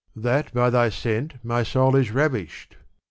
That by thy scent my soul is ravished